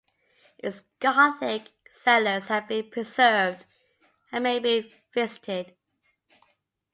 Its Gothic cellars have been preserved and may be visited.